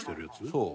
そう。